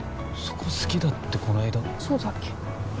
そこ好きだってこの間そうだっけ？